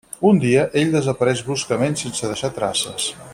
Un dia, ell desapareix bruscament sense deixar traces.